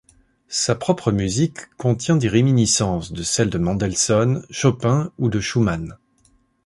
Sa propre musique contient des réminiscences de celle de Mendelssohn, Chopin ou de Schumann.